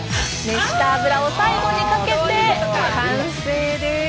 熱した油を最後にかけて完成です。